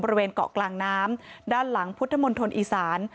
บริเวณเกาะกลางน้ำด้านหลังพุทธมณฑลอีสาน